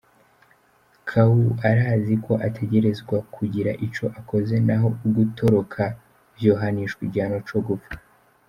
Kawu arazi ko ategerezwa kugira ico akoze - n'aho ugutoroka vyohanishwa igihano co gupfa.